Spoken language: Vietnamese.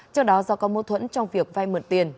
trong đó do có mô thuẫn trong việc vay mượn tiền